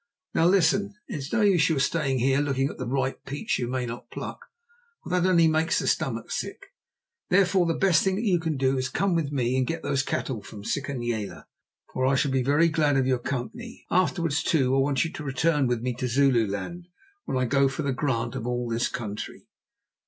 Now listen. It is no use your staying here looking at the ripe peach you may not pluck, for that only makes the stomach sick. Therefore the best thing that you can do is to come with me to get those cattle from Sikonyela, for I shall be very glad of your company. Afterwards, too, I want you to return with me to Zululand when I go for the grant of all this country."